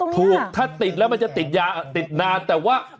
ถูกถ้าติดแล้วมันจะติดยาติดนานแต่ว่า